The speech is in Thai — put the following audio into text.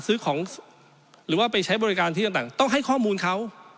ซื้อของหรือว่าไปใช้บริการที่ต่างต้องให้ข้อมูลเขา